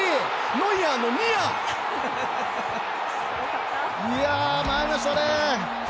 ノイアーのニア！まいりましたね。